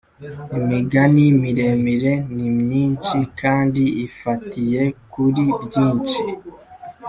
Imigani miremire ni myinshi kandi ifatiye kuri byinshi